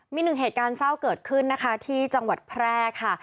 มีหนึ่งเหตุการณ์เศร้าเกิดขึ้นนะคะที่จังหวัดแพร่ค่ะ